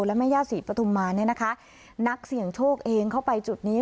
และแม่ย่าศรีปฐุมมาเนี่ยนะคะนักเสี่ยงโชคเองเข้าไปจุดนี้